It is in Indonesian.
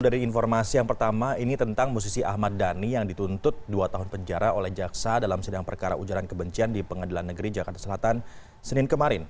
dari informasi yang pertama ini tentang musisi ahmad dhani yang dituntut dua tahun penjara oleh jaksa dalam sidang perkara ujaran kebencian di pengadilan negeri jakarta selatan senin kemarin